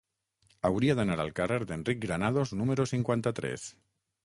Hauria d'anar al carrer d'Enric Granados número cinquanta-tres.